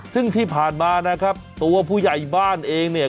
ซึ่งที่ผ่านมานะครับตัวผู้ใหญ่บ้านเองเนี่ย